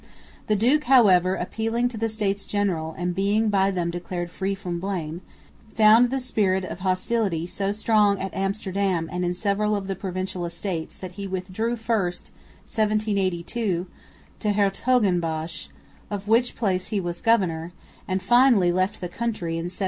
The duke, however, after appealing to the States General, and being by them declared free from blame, found the spirit of hostility so strong at Amsterdam and in several of the Provincial Estates that he withdrew first (1782) to Hertogenbosch, of which place he was governor, and finally left the country in 1784.